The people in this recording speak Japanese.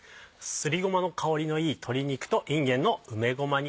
すりごまの香りのいい鶏肉といんげんの梅ごま煮。